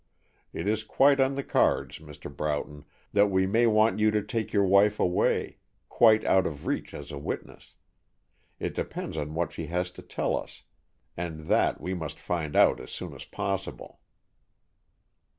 It is quite on the cards, Mr. Broughton, that we may want you to take your wife away, quite out of reach as a witness. It depends on what she has to tell us, and that we must find out as soon as possible."